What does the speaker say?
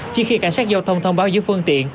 chỉ khi cảnh sát giao thông thông báo dưới phương tiện